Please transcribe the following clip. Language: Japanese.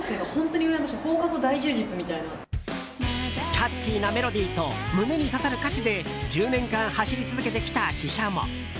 キャッチーなメロディーと胸に刺さる歌詞で１０年間、走り続けてきたＳＨＩＳＨＡＭＯ。